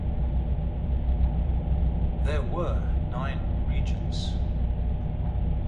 There were nine regions.